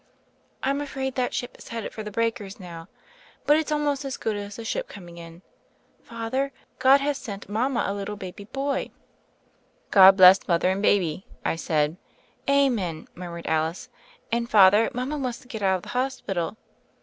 "I'm afraid that ship is headed for the breakers now. But it's almost as good as the ship coming in. Father, God has sent mama a little baby boy." 90 THE FAIRY OF THE SNOWS "God bless mother and baby," I said. "Amen," murmured Alice, "and, Father, mama wants to get out of the hospital."